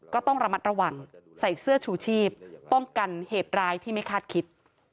ก็ต้องระมัดระวังใส่เสื้อชูชีพป้องกันเหตุร้ายที่ไม่คาดคิด